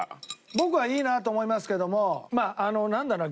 僕はいいなと思いますけどもまあなんだろう